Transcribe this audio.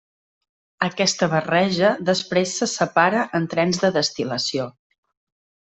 Aquesta barreja després se separa en trens de destil·lació.